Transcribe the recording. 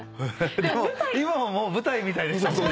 今ももう舞台みたいでしたもんね。